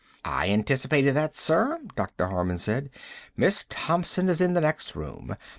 "I anticipated that, sir," Dr. Harman said. "Miss Thompson is in the next room.